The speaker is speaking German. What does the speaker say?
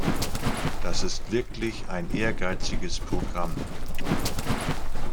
Das ist wirklich ein ehrgeiziges Programm.